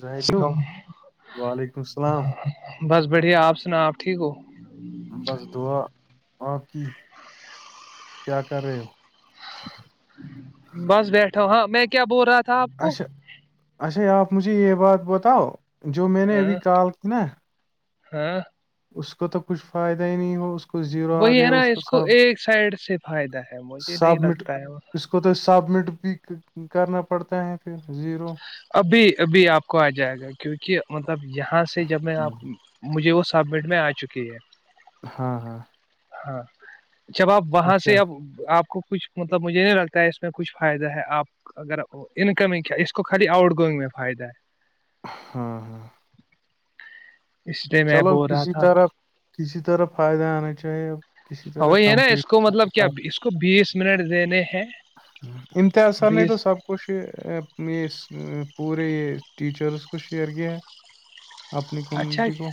زاہد بھو وعلیکم السلام بس بڑھیا آپ سنا آپ ٹھیک ہو بس دعا آپ کی کیا کر رہے ہو بس بیٹھا ہاں میں کیا بول رہا تھا آپ کو اچھا اچھا آپ مجھے یہ بات بتاؤ جو میں نے ہاں ابھی کال کی نا ہاں اس کو تو کچھ فائدہ ہی نہیں ہو کو زیرو آ وہی ہے گیا نا اس کو سب ایک سائڈ سے فائدہ ہے مجھے نہیں سبمٹ لگتا ہے اس کو تو سبمٹ بھی کرنا پڑتا ہے پھر جی ابھی ابھی آپ کو آ جائے گا کیونکہ مطلب یہاں سے جب میں آپ مجھے وہ سبمٹ میں آ چکی ہے ہاں ہاں ہاں جب آپ وہاں سے اچھا اب آپ کو کچھ مطلب مجھے نہیں لگتا ہے اس میں کچھ فائدہ ہے آپ اگر انکم اس کو خالی آؤٹ گوئنگ میں فائدہ ہے ہاں ہاں اس لیے میں چلو بول رہا کسی تھا طرح کسی طرح فائدے آنا چاہیے اب کسی طرح وہی ہے نا اس کو مطلب کمپلیٹ کیا اس کو بیس منٹ دینے ہیں امتحا ن سب میں تو بیس سب [unintelligible] ک یہ پورے ٹیچرس کو شیئر کیا ہے اپنی اچھا کمیونٹی کو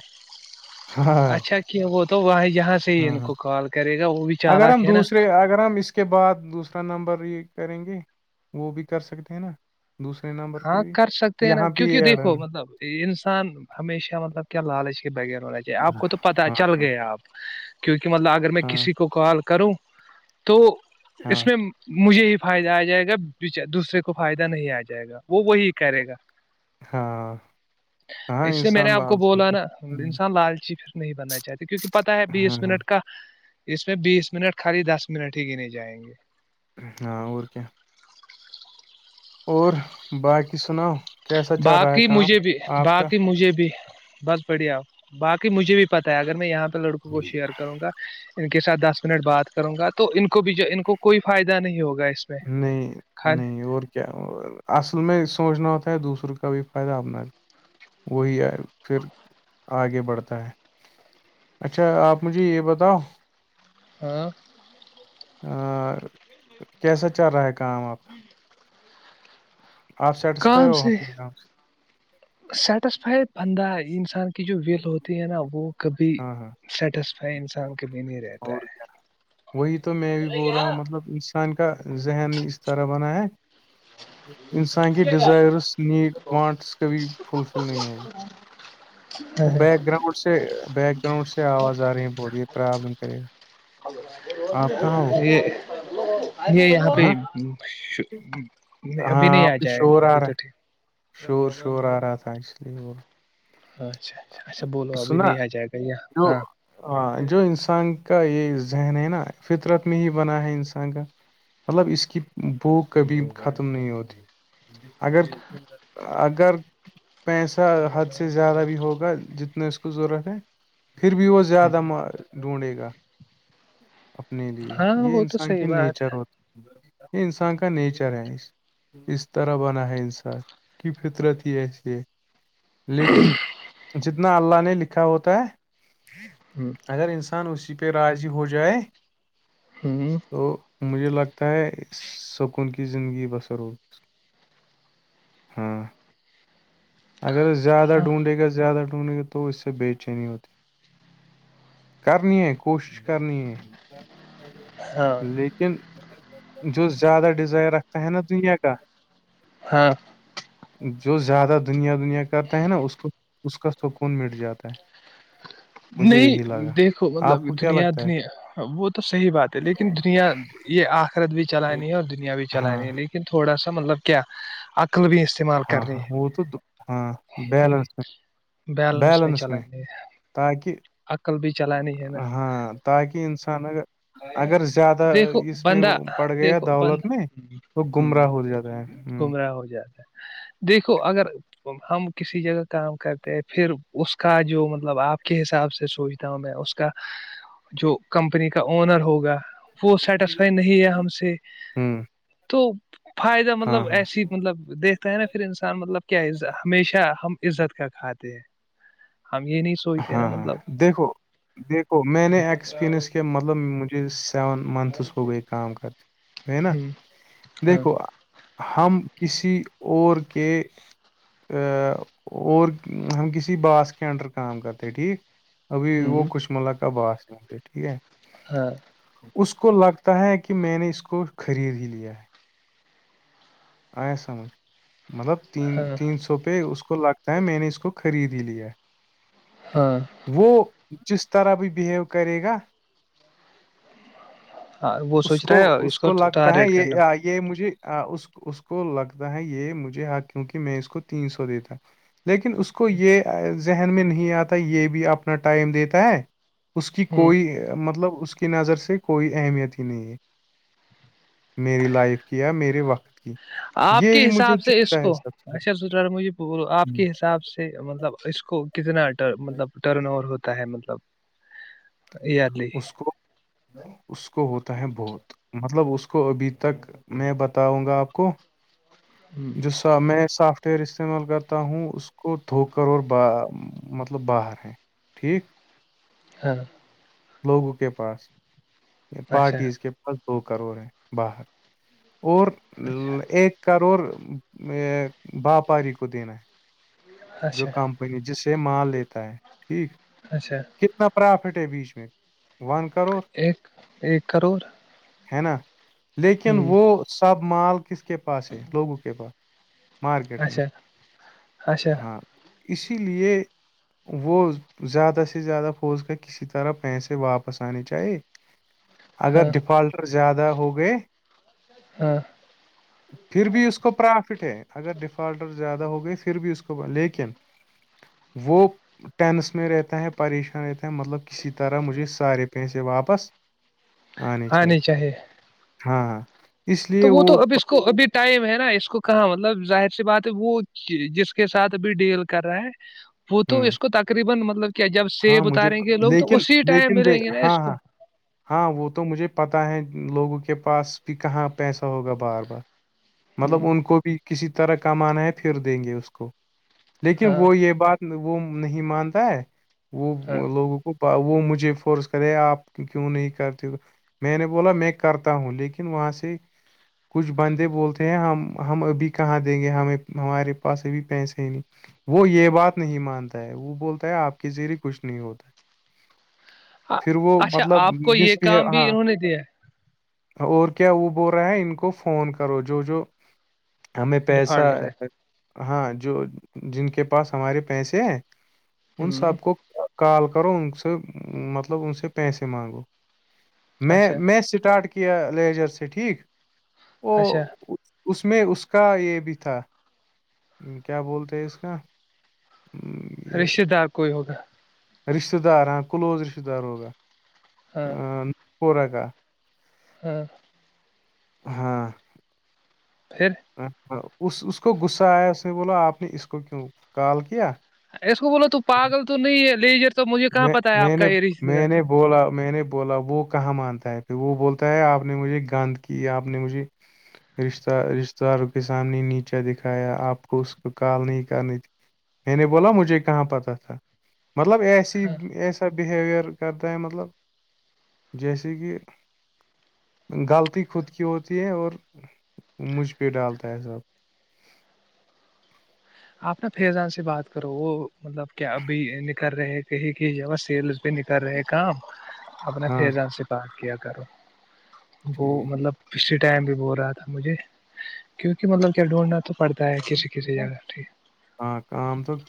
ہاں اچھا کیا وہ تو وہ یہاں سے ہی ہاں ان ہاں کو کال کرے گا وہ بھی اگر چالک ہم ہے نا دوسرے اگر ہم اس اس کے بعد دوسرا نمبر یہ کریں گے وہ بھی کر سکتے ہیں نا دوسرے نمبر ہاں پہ بھی کر سکتے ہیں نا یہاں پہ کیونکہ یہ ایڈ ہم دیکھو مطلب انسان ہمیشہ مطلب کیا لالچ کے بغیر ہونا چاہے آپ کو تو پتہ ہاں چل ہاں گئے آپ کیونکہ مطلب اگر میں ہاں کسی کو کال کروں تو ہاں اس میں مجھے ہی فائدہ آ جائے گا دوسرے کو فائدہ نہیں آ جائے گا وہ وہی کرے گا ہاں ہاں اس سے میں نے انسان آپ کو لالچ بولا ہوتا نا ہے۔ ہوں، انسان لالچی پھر نہیں بننا چاہتے کیونکہ پتا ہے ہاں بیس ہاں منٹ کا اس میں بیس منٹ خالی دس منٹ ہی گنے جائیں گے ہاں اور کیا اور باقی سناؤ کیسا چل رہا ہے باقی کام مجھے بھی آپ کا باقی مجھے بھی بس پڑھیا باق مجھے بھی پتا ہے اگر میں یہاں پہ لڑکوں کو شیئر کروں گا ان کے ساتھ دس منٹ بات کروں گا تو ان کو بھی جو ان کوئی فائدہ نہیں ہوگا اس میں نہیں خالی نہیں اور کیا اصل میں سوچنا ہوتا ہے دوسروں کا بھی فائدہ اپنا وہی پھر آگے بڑھتا ہے اچھا آپ مجھے یہ بتاؤ ہاں اور کیسا چل رہا ہے کام آپ کا آپ سیٹسفائی کام ہو سے اپنے کام سے سیٹسفائیڈ بندہ انسان کی جو ویل ہوتی ہے نا وہ کبھی ہاں ہاں سیٹسفائی انسان کے لیے نہیں رہتا اور ہے کیا وہی تو میں بھی بول رہا ہوں ان کا ذہنی اس طرح بنایا انسان کے ڈیزائرس نیڈ وانٹس کبھی فلس نہیں ہوگی وہ بیک گراؤنڈ سے بیک گراؤنڈ سے آواز آ رہی ہے بہت یہ پرابلم کرے گا آپ کہاں ہو یہ ارے ابھی ہاں ابھی ہاں نہیں آ آپ کی جائے گا شور آ رہا ابھی ہے تو ٹھیک شور شور آ رہا تھا اس لیے وہ اچھا اچھا اچھا بولو ابھی سنا نہیں آ جائے گا یہاں جو ہاں ہاں جو انسان کا یہ ذہن ہے نا فطرت میں ہی بنا ہے انسان کا مطلب اس کی بھوک کبھی ختم نہیں ہوتی اگر اگر پیسہ حد سے زیادہ بھی ہوگا جتنا اس کو ضرورت ہے پھر بھی وہ ہ زیادہ مال ڈھونڈے گا اپنے لیے ہاں یہ وہ تو انسان صحیح کی بات نیچر ہوتی یہ انسان کا نیچر ہے اس طرح بنا ہے انسان کی فطرت ہی اسکیے لیکن جتنا اللہ نے لکھا ہوتا ہے ہے اگر انس ان اسی پہ راضی ہو جائے ھم تو مجھے لگتا ہے سکون کی زندگی بصرو ہاں اگر زیادہ ہ ڈھونڈے گا زیادہ ڈھونڈے گا تو اس سے بے چینی ہوتی ہے کرنی ہے کوشش کرنی ہے ہاں لیکن جو زیادہ ڈیزائر رکھتا ہے نا دنیا کا ہاں جو زیادہ دنیا دنیا کرتا ہے نا اس کو اس کا سکون مٹ جاتا ہے مجھے یہی نہیں لگا دیکھو مطلب آپ کو کیا دنیا لگتا دنیا وہ تو صحیح بات ہے لیکن دنیا یہ آخرت بھی چلانی ہے اور دنیا بھی چلانی ہاں ہے لیکن تھوڑا سا مطلب کیا عقل بھی استعمال ہاں کرنی ہاں وہ ہے تو ہاں بیلنس میں بیلنس میں تاکہ عقل بھی چلانی ہے نا ہاں تاکہ انسان اگر اگر زیادہ دیکھو اس میں بندہ پڑ گیایا دیکھو بند دولت میں وہ ہ گمراہ ہو جاتا ہے ہوں گمراہ ہو جاتا ہے دیکھو اگر ہم کسی جگہ کام کرتے ہیں پھر اس کا جو مطلب آپ کے حساب سے سوچوں میں اس کا جو کمپنی کا اونر ہوگا وہ سیٹیسفائی نہیں ہے ہم سے ہ تو فائدہ ہاں مطلب ہاں ایسی مطلب دیکتے ہے نا پھر انسان مطلب کیا اہ ہمیشہ ہم عزت کا کھاتے ہیں ہم یہ نہیں سو ہاں ہاں دیکھو دیکھو میں نے ایک اسکپریئنس کیا مطلب مجھے سیون منتھس ہو گئی کام کرتے ہے نا ہاں دیکھو ہم کسی اور کے اور ہم کسی باس کے انڈر کام کرتے ٹھیک ابھی وہ کچ مل کا باس ہے ہوتے ٹھیک ہے ہاں اس کو لگتا ہے کہ میں نے اس کو خرید ہی لیا ہے آیا سمجھ مطلب ہاں س پہ اس کو لگتا ہے میں نے اس کو خرید ہی لیا ہے ہاں وہ جس طرح بھی بیہیو کرے گا ہاں وہ اس سوچ کو رہا ہے اس کو لگتا ہے ٹارگیٹ کرنا یہ یہ مجھے اس کو لگتا ہے یہ مجھے کیونکہ میں اس کو تین سو دیتا لیکن اس کو یہ ذہن میں نہیں آتا یہ بھی اپنا ٹائم دیتا ہے اس کی ہ کوئی مطلب اس کی نظر سے کوئی اہمیت ہی نہیں ہے میری لائف کی یا میرے وقت کی آپ کے یہی مجھے حساب سے اس چپتا کو ہے سب سے اچھا مجے بولو آپ ہوں۔ کے حساب سے مطلب اس کو کتنا مطلب ٹرن اوور ہوتا ہے مطلب یر لی اس کو اس کو ہوتا ہے بہت مطلب اس کو ابھی تک میں بتاؤں گا آپ کو جو میں سافٹ ویئر استعمال کرتا ہوں اس کو دھو کر اور ب مطلب باہر ہیں ٹھیک ہاں لوگوں کے پاس اچھا پارٹیز کے پاس دو کروڑ ہیں باہر اور اچھا ایک کرڑ واپاری کو دینا ہے جو اچھا کمپنی جس سے مال لیتا ہے ٹھیک اچھا کتنا پرافٹ ہے بیچ میں ون کا ایک ایک کروڑ ہے نا لیکن ہوں وہ سب مال کس کے پاس ہے لوگوں کے پاس مارکیٹ میں اچھا اچھا ہاں اسی لیے وہ زیادہ سے زیادہ پھوج کا کسی طرح پیسے واپس آنے چاہیے اگر ہاں ڈفالٹر زیادہ ہو گے ہاں پھر بھی اس کو پرافٹ ہے اگر ڈیفالٹر زیادہ ہو گئی پ بھی اس کو ب لیکن وہ ٹینس میں رہتا ہے پریشان رہتا ہے مطلب کسی طرح مجھے سارے پیسے واپس ہاں نہیںچ آنی چاہیے ہاں ہاں تو وہ تو ابھی اس کو ابھی ٹائم ہے نا اس کو کہاں مطلب ظاہر سی بات ہے وہ جس کے ساتھ ابھی ڈیل کر رہا ہے وہ تو ہوں اس کو تقریبا مطلب کیا جب ہاں سیب مجھے اتاریں گے لوگ تو لیکن اسی ٹائم لیکن ملیں دیکھ گے نا ہاں اس ہاں کو ہاں وہ تو مجھے پتاہ ہے لوگوں کے پاس کہ کہاں پیسہ ہوگا بار بار مطلب ہوں ان کو بھی کسی طرح کمان ہے پھر دیں گے اس کو لیکن ہاں وہ یہ بات وہ نہیں مانتا ہے ہاں وہ لوگوں کو وہ مجھے فورس کرے آپ کیوں نہیں کرتے میں نے بولا میں کرتا ہوں لیکن وہاں سے کچھ بندے بولتے ہیں ہم ہم ابھی کہاں دیں گے ہمیں ہمارے پاس ابھی پیسے ہی نہیں وہ یہ بات نہیں مانتا ہے وہ بولتا ہے آپ کے زذریے کچھ نہیں ہوتا پھر وہ اچھا مطلب آپ کو یہ مسبہیو کام ہاں بھی انہوں نے دیا اور کیا وہ بول رہا ہے ان کو فون کرو جو جو ہمیں ہے پیسہ ڈیفالٹر ہے ہاں جو جن کے پاس ہمارے پیسے ہیں اون ہوں سبق کال کرو ان سے مطلب ان سے پیسے مانگو میں اچھا میں اسٹارٹ کیا لیجر سے ٹھیک ا اچھا اس میں اس کا یہ بھی تھا کیا بولتے ہیں اس کا یہ رشتے دار کوئی ہوگا رشتہ دار ہاں کلوز رشتہ دار ہوگا ہاں پورہ کا ہوں ہاں پھر اس اس کو غصہ آیا اس میں بولو آپ نے اس کو کیوں کال کیا اس کو بولو تو پاگل تو نہیں ہے لیجر تو مجھے کہاں میں پتہ ہے میں آپ کا نے یہ رش میں نے بولا میں نے بولا وہ کہاں مانتا ہے پھر وہ بولتا ہے آپ نے مجھے گند کی آپ نے مجھے رشتہ رشتتے داروں کے سامنے نیچا دکھایا آپ کو اس کو کال نہیں کرنی تھی میں نے بولا مجھے کہاں پتا تھا مطلب ایس ایسا اچھا بہیویئر کرتا ہے مطلب جیسے کہ غلطی خود کی ہوتی ہے اور مجھ پہ ڈالتا ہے سب آپ ن فیضان سے بات کرو وہ مطلب کیا ابھی ن کر رہے کہیں کہ جہ سیل نہیں کر رہے ہیں کام [unintelligible] اپنے فزان سے بات کیا کرو وہ ٹھیک مطلب پچھلے ٹائم بھی ب ہو رہا تھا مجھے کیونکہ مطلب کیا ڈھونڈنا تو پڑتا ہے کسی کسی جگہ جٹیھیک [unintelligible] ہاں کام توک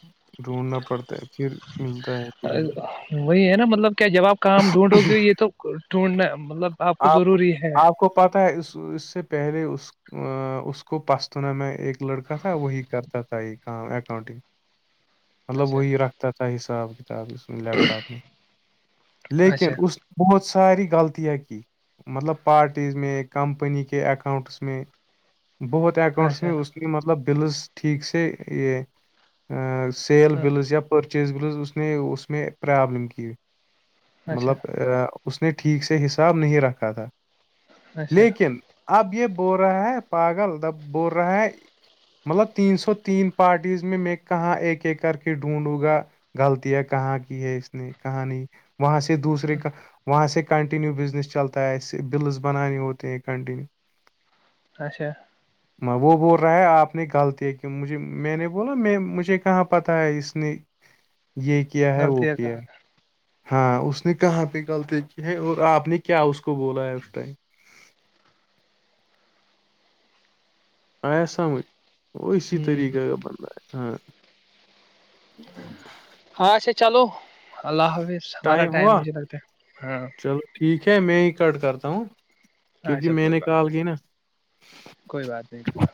ڈھونڈنا پڑتا ہے پھر ملتا ہے کہ وہی ہے نا مطلب کیا جاب کام ڈھونڈو گے یہ تو ڈھونڈنا مطلب آپ کو آپ کو پتہ ہے اس اس سے پہلے اس اس کو پستنا میں ایک لڑکا تھا وہی کرتا تھا کام اکاؤٹنگ مطلب اچھا وہی رکھ تتا حساب کتاب اس لیپٹاپ میں لیکن اچھا اس بہت ساری گغلط ہے کی [unintelligible] مطلب پارٹیز میں کمپنی کے اکاؤنٹس میں بہت اکاؤنٹس اچھا میں اس ملب بلز ٹھیک سیل بلز یا پرچیزبلز اس نے اس میں پرابلم کی اچھا مطلب [unintelligible] اس نے ٹھیک سے حساب نہیں رکھا تھا اچھا لیکن اب یہ بول رہا ہے پاگل جب بول رہا ہے مطلب تین سو تین پارٹیز میں میں کہاں ایک ایک کر کے ڈھونڈوں گا غلطیاں کہاں کی ہے اس نے کہاں نہیں وہاں سے دوسرے کا وہاں سے کنٹینیو بزنس چلتا ہے ایسے بلز بنانے ہوتے ہیں کنٹینیو اچھا ج [inaudible] ماں وہ بول رہا ہے آپ نے غلطی ہے کیوں مجھے میں نے بولا میں مجھے کہاں پتہ ہے اس نے یہ کیا ہے وہ غلطیاں کیا ہے کہاں ہاں اس نے کہاں پہ غلطی کی ہے اور آپ نے کیا اس کو بولا ہے اس ٹائم آیا سمجھ وہ اسی ہ طریقے کا بندہ ہے ہاں ہاںھا چلو اللہ حافظ ہمارا ٹائم مجھے لگتا ہے ہاں چلو ٹھیک ہے میں ہی کٹ کرتا ہوں ہاں کیونکہ اچھا میں کوئی نے بات کال کی نا کوئی بات نہیں کر